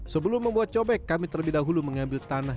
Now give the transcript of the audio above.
sebelum membuat cobek kami terlebih dahulu mengambil tanah